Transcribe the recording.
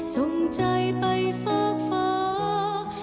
ส่งใจไปฝากฟ้า